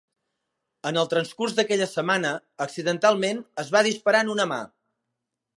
En el transcurs d'aquella setmana, accidentalment, es va disparar en una mà.